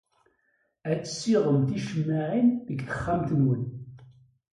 Ad tessiɣem ticemmaɛin deg texxamt-nwen.